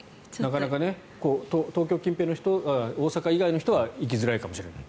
なかなか大阪以外の人は行きづらいかもしれない。